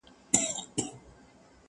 خدایه څه د رنګ دنیا ده له جهانه یمه ستړی،